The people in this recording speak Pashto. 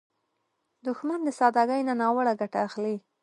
دښمن د سادګۍ نه ناوړه ګټه اخلي